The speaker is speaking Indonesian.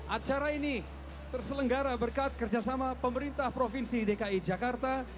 acara ini terselenggara berkat kerjasama pemerintah provinsi dki jakarta